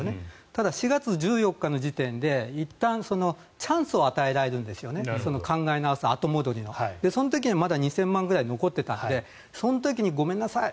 ただ、４月１４日の時点でいったんチャンスを与えられるんですよね考え直す後戻りのその時にはまだ２０００万ぐらい残っていたのでその時にごめんなさい